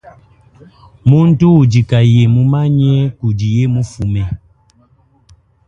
Muntu udi kayi mumanye kudiye mufume.